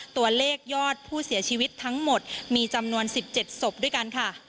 ตัวเลขยอดผู้เสียชีวิตทั้งหมดมีจำนวน๑๗ศพด้วยกันค่ะ